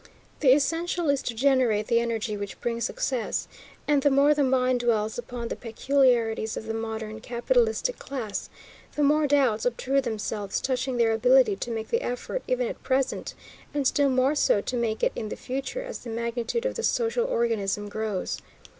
The essential is to generate the energy which brings success; and the more the mind dwells upon the peculiarities of the modern capitalistic class, the more doubts obtrude themselves touching their ability to make the effort, even at present, and still more so to make it in the future as the magnitude of the social organism grows.